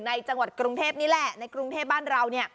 ในจังหวัดกรุงเทพนี่แหละในกรุงเทพบ้านเรา